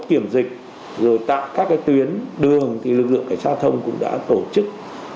kiểm dịch rồi tại các cái tuyến đường thì lực lượng cảnh sát thông cũng đã tổ chức